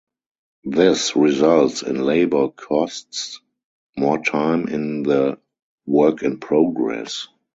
This results in labor costs, more time in the "Work-in-progress".